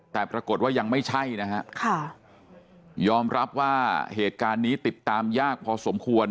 แต่ปรากฏว่ายังไม่ใช่นะฮะค่ะยอมรับว่าเหตุการณ์นี้ติดตามยากพอสมควร